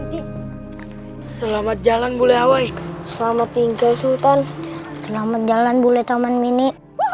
hai selamat jalan bule hawaii selamat tinggal sultan selamat jalan bule taman mini